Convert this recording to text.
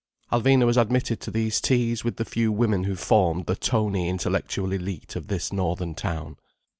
Alvina was admitted to these teas with the few women who formed the toney intellectual élite of this northern town.